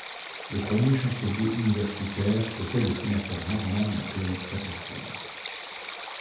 Le premier chancelier universitaire était le sénateur Norman McLeod Paterson.